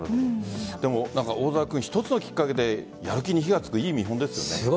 大空君、一つのきっかけでやる気に火がつくいい見本ですよね。